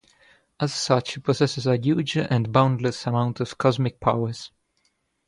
As such he possesses a huge and boundless amount of cosmic powers.